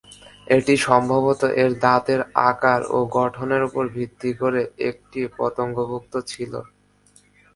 এটি সম্ভবত এর দাঁতের আকার ও গঠনের উপর ভিত্তি করে একটি পতঙ্গভুক ছিল।